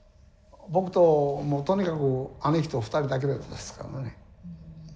僕ともうとにかく兄貴と２人だけだったですからね。